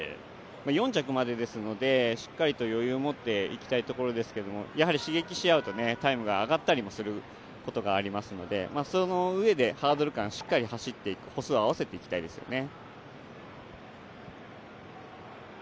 ４着までですのでしっかりと余裕を持っていきたいところですけどやはり刺激しあうとタイムが上がったりしますのでハードル間をしっかりと走って歩数を合わせていきたいですね。